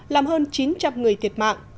làm hơn chín trăm linh người thiệt mạng